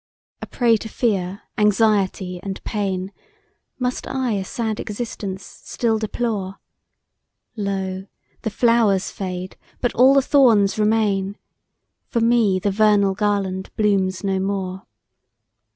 A prey to fear, anxiety, and pain, Must I a sad existence still deplore Lo! the flowers fade, but all the thorns remain, 'For me the vernal garland blooms no more.'